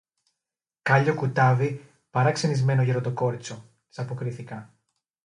Κάλλιο κουτάβι παρά ξυνισμένο γεροντοκόριτσο, της αποκρίθηκα.